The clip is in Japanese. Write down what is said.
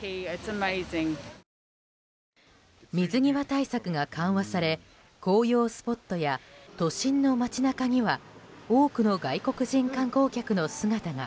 水際対策が緩和され紅葉スポットや都心の街中には多くの外国人観光客の姿が。